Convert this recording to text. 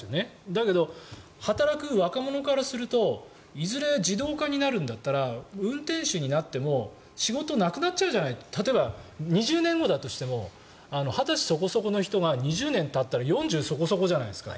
だけど、働く若者からするといずれ自動化になるなら運転手になっても仕事がなくなっちゃうじゃないか例えば２０年後だとしても２０歳そこそこの人が２０年たったら４０そこそこじゃないですか。